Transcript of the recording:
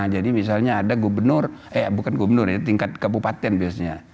jadi misalnya ada gubernur eh bukan gubernur tingkat kepupatan biasanya